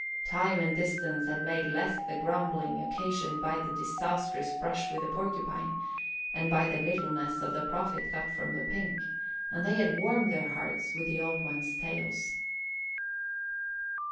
Time and distance had made less the grumbling occasioned by the disastrous brush with the Porcupine and by the littleness of the profit got from the pink, and they had warmed their hearts with the Old One's tales.